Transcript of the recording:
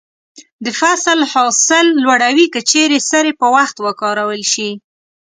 د فصل حاصل لوړوي که چیرې سرې په وخت وکارول شي.